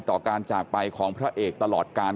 ต่อการจากไปของพระเอกตลอดการ